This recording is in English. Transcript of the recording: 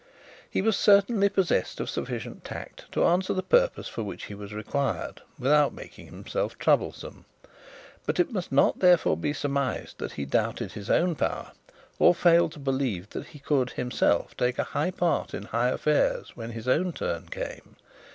He was certainly possessed of sufficient tact to answer the purpose for which he was required without making himself troublesome; but it must not therefore be surmised that he doubted his own power, or failed to believe that he could himself take a high part in high affairs when his own turn came.